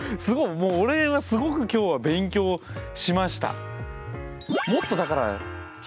もう俺はすごく今日は勉強しました。